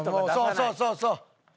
そうそうそうそう！